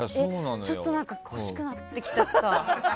ちょっと欲しくなってきちゃった。